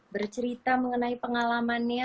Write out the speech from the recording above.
bercerita mengenai pengalamannya